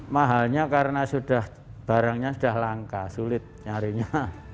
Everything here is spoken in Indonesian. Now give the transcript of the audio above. mahalnya karena barangnya sudah langka sulit nyarinya